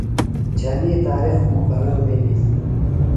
جھنی تارِخ مقرر بِھلیۡ۔